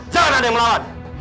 jangan ada yang melawan